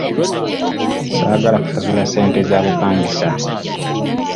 Saagala kusasula ssente za bupangisa.